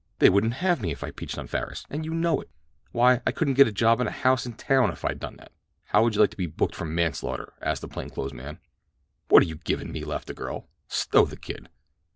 "They wouldn't have me if I peached on Farris, and you know it. Why, I couldn't get a job in a house in town if I done that." "How would you like to be booked for manslaughter?" asked the plain clothes man. "What you giving me!" laughed the girl. "Stow the kid."